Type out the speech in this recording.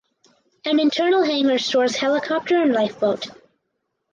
An internal hangar stores helicopter and lifeboat.